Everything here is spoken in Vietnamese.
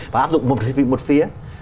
và áp dụng một vị một phía